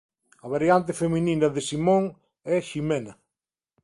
A variante feminina de Simón é Ximena.